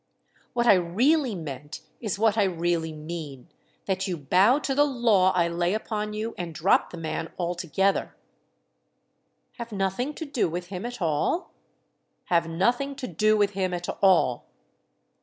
"What I 'really meant' is what I really mean—that you bow to the law I lay upon you and drop the man altogether." "Have nothing to do with him at all?" "Have nothing to do with him at all."